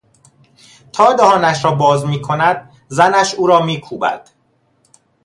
تا دهانش را باز میکند زنش او را میکوبد.